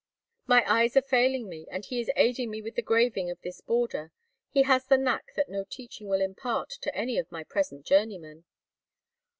"My eyes are failing me, and he is aiding me with the graving of this border. He has the knack that no teaching will impart to any of my present journeymen."